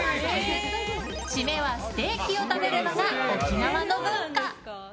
締めはステーキを食べるのが沖縄の文化。